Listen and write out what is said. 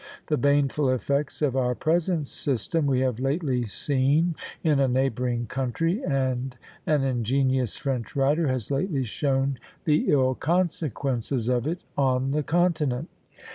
The baneful effects of our present system we have lately seen in a neighbouring country, and an ingenious French writer has lately shown the ill consequences of it on the continent."